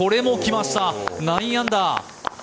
９アンダー。